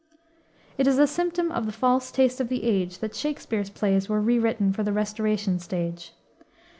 It is a symptom of the false taste of the age that Shakspere's plays were rewritten for the Restoration stage.